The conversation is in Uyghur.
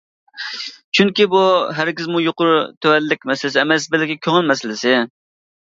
چۈنكى بۇ ھەرگىزمۇ يۇقىرى-تۆۋەنلىك مەسىلىسى ئەمەس، بەلكى كۆڭۈل مەسىلىسى!